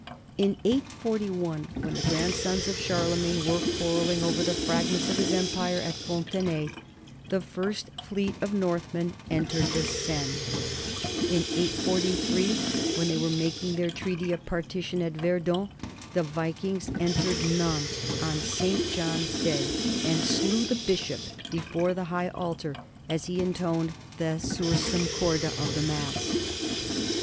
In 841, when the grandsons of Charlemagne were quarrelling over the fragments of his empire at Fontenay, the first fleet of Northmen entered the Seine; in 843 when they were making their treaty of partition at Verdun, the Vikings entered Nantes on St. John's Day and slew the bishop before the high altar as he intoned the Sur sum corda of the mass.